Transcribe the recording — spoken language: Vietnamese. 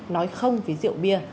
nói không với rượu bia